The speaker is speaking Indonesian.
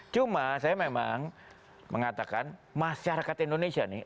cuma saya memang mengatakan masyarakat indonesia nih